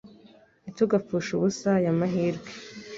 Ntitugapfushe ubusa aya mahirwe